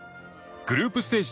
グループステージ